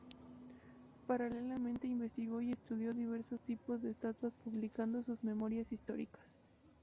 Paralelamente, investigó y estudió diversos tipos de estatuas publicando sus memorias históricas.